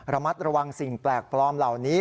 ระมัดระวังสิ่งแปลกปลอมเหล่านี้